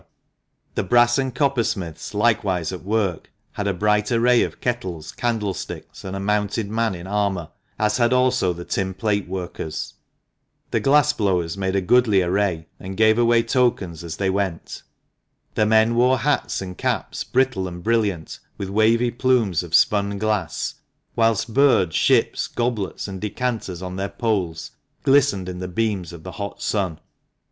The brass and copper smiths, likewise at work, had a bright array of kettles, candlesticks, and a mounted man in armour, as had also the tin plate workers. The glass blowers made a goodly array, and gave away tokens as they went. The men wore hats and caps brittle and brilliant, with wavy plumes of spun glass, whilst birds, ships, goblets, and decanters on their poles glistened in the beams of the hot sun.